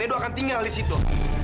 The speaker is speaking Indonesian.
dan edo akan tinggal di situ